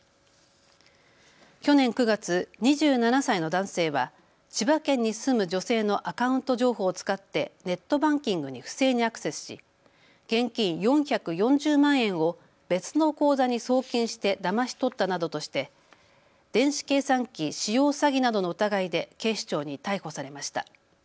去年９月、２７歳の男性は千葉県に住む女性のアカウント情報を使ってネットバンキングに不正にアクセスし現金４４０万円を別の口座に送金してだまし取ったなどとして電子計算機使用詐欺などの疑いで警視庁に逮捕されました。